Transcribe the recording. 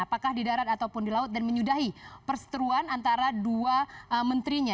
apakah di darat ataupun di laut dan menyudahi perseteruan antara dua menterinya